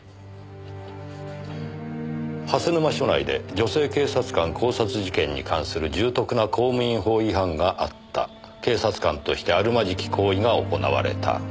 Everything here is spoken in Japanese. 「蓮沼署内で女性警察官絞殺事件に関する重篤な公務員法違反があった」「警察官としてあるまじき行為が行われた」